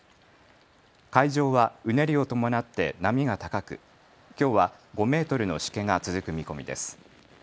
海上はうねりを伴って波が高く、きょうは５メートルのしけが続く見込みです。